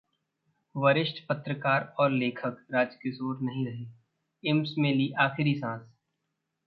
वरिष्ठ पत्रकार और लेखक राजकिशोर नहीं रहे, एम्स में ली आखिरी सांस